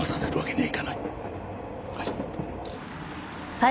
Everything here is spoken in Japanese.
はい。